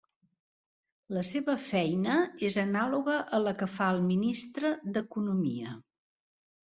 La seva feina és anàloga a la que fa el ministre d'economia.